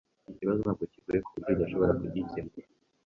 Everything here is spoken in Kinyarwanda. Iki kibazo ntabwo kigoye kuburyo udashobora kugikemura.